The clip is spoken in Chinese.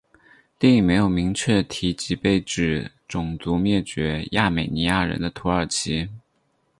电影没有明确提及被指种族灭绝亚美尼亚人的土耳其。